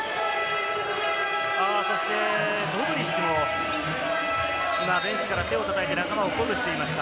そしてドブリッチも今、ベンチから手を叩いて、仲間を鼓舞しました。